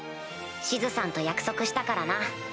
シズさんと約束したからな。